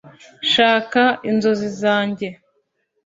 shaka inzozi zanjye